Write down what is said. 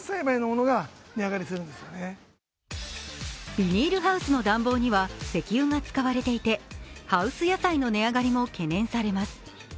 ビニールハウスの暖房には石油が使われていてハウス野菜の値上がりも懸念されます。